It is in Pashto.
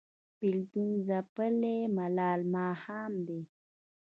بیلتون ځپلی ملال ماښام دی